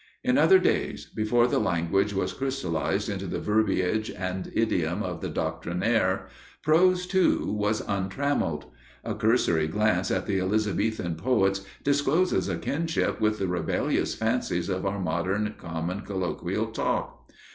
In other days, before the language was crystallized into the verbiage and idiom of the doctrinaire, prose, too, was untrammelled. A cursory glance at the Elizabethan poets discloses a kinship with the rebellious fancies of our modern common colloquial talk.